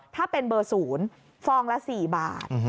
ถ้าเป็นเบอร์๐ฟองละ๔บาท